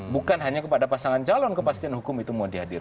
bukan hanya kepada pasangan calon kepastian hukum itu mau dihadir